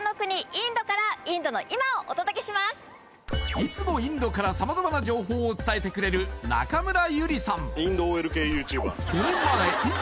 いつもインドから様々な情報を伝えてくれる中村ゆりさん